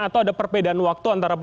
atau ada perbedaan waktu antara